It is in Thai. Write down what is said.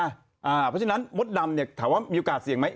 เพราะฉะนั้นมดดำเนี่ยถามว่ามีโอกาสเสี่ยงไหม